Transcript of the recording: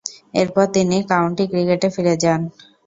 এরপর তিনি কাউন্টি ক্রিকেটে ফিরে যান।